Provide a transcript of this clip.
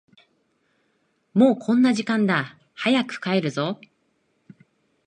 もうこんな時間だ、早く帰るぞ。